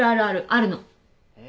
あるの。え。